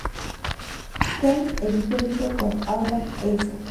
Kane editó el libro con Armand Eisen.